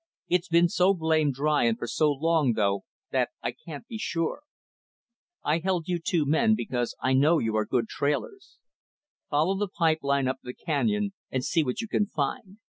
It's been so blamed dry, and for so long, though, that I can't be sure. I held you two men because I know you are good trailers. Follow the pipe line up the canyon, and see what you can find.